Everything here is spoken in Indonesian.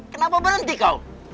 kenapa berhenti kau